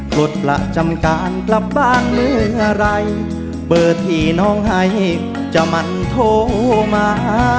ปลดประจำการกลับบ้านเมื่อไหร่เบอร์ที่น้องให้จะมันโทรมา